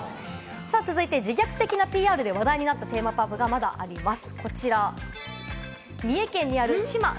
続いて自虐的なＰＲで話題になったテーマパークがまだあります。